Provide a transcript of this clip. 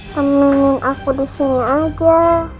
kau mendingin aku disini aja